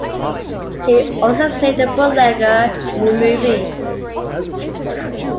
He also played the bootlegger in the movie.